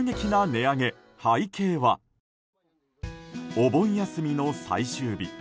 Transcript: お盆休みの最終日。